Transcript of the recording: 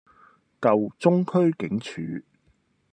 舊中區警署